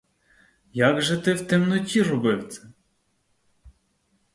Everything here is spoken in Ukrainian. Як же ти в темноті робив це?